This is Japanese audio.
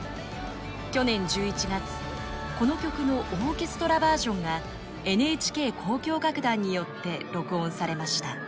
去年１１月この曲のオーケストラバージョンがＮＨＫ交響楽団によって録音されました。